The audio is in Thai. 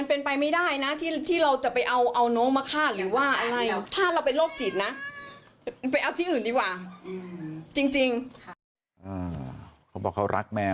เป็นไปไม่ได้เขาจะเอาแมวมาฆ่า